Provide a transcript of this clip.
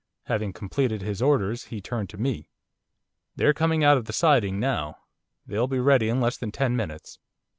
Having completed his orders he turned to me. 'They're coming out of the siding now they'll be ready in less than ten minutes.